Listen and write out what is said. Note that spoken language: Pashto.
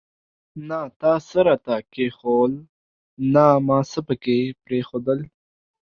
نه تا څه راته کښېښوول ، نه ما څه پکښي پريښودل.